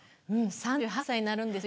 ３８歳になるんですよ。